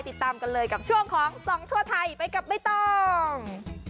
ติดตามกันเลยกับช่วงของส่องทั่วไทยไปกับไม่ต้อง